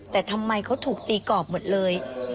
แต่ทำไมเขาถูกตีกรอบหมดเลย